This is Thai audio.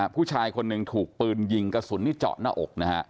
ผู้ชายคนหนึ่งถูกปืนยิงกระสุนนี่เจาะหน้าอกนะฮะ